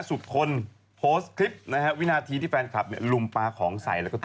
สุดคนโพสต์คลิปนะฮะวินาทีที่แฟนคลับเนี่ยลุมปลาของใส่แล้วก็